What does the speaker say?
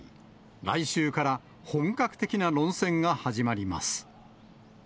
来週から本格的な論戦が始まります。